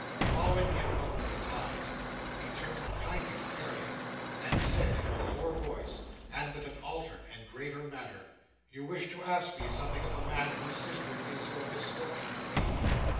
Following him out with his eyes, he turned kindly to Harriet, and said in a lower voice, and with an altered and graver manner: "You wish to ask me something of the man whose sister it is your misfortune to be."